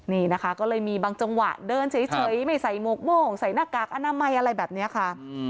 นี่นะคะก็เลยมีบางจังหวะเดินเฉยไม่ใส่หมวกโม่งใส่หน้ากากอนามัยอะไรแบบนี้ค่ะ